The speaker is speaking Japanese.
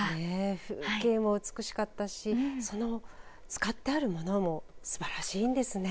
風景も美しかったしその使ってあるものも素晴らしいんですね。